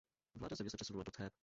Vláda země se přesunula do Théb.